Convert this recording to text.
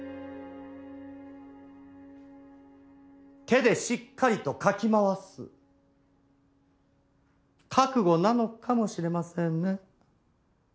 手でしっかりとかき回す覚悟なのかもしれませんね。